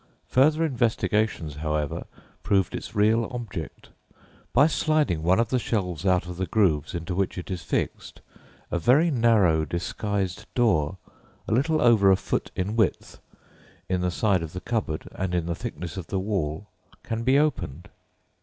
Further investigations, however, proved its real object. By sliding one of the shelves out of the grooves into which it is fixed, a very narrow, disguised door, a little over a foot in width, in the side of the cupboard and in the thickness of the wall can be opened.